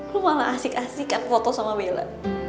lu malah asik asikan foto sama bella